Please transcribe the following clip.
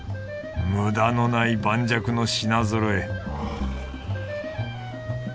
無駄のない盤石の品ぞろえはぁ。